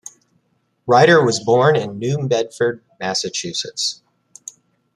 Ryder was born in New Bedford, Massachusetts.